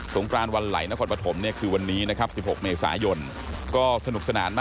สงครานวันไหลนครปฐมเนี่ยคือวันนี้นะครับ๑๖เมษายน